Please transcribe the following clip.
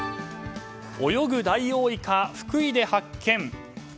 泳ぐダイオウイカ福井で発見。